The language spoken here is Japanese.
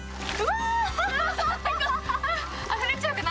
あっあふれちゃうかな？